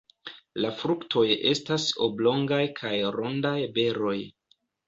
La fruktoj estas oblongaj kaj rondaj beroj.